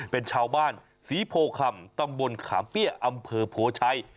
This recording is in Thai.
เป็นชาวบ้านศรีโพคำตำบลขามเปี้ยอำเภอโพชัย